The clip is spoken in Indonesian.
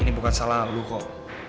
ini bukan salah lu kok